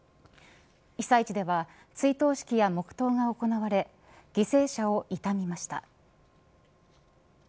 被災地では追悼式や黙とうが行われ犠牲者を悼みました。